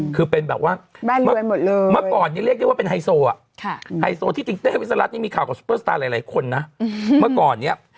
คือเป็นแบบว่าเมื่อก่อนเนี่ยเรียกได้ว่าเป็นไฮโซอ่ะไฮโซที่ติงเต้วิสรัฐนี่มีข่าวกับซุปเปอร์สตาร์หลายคนนะเมื่อก่อนเนี่ย